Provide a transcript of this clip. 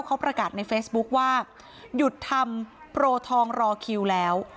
เขาประกาศในเฟซบุ๊คว่าหยุดทำโปรทองรอคิวแล้ว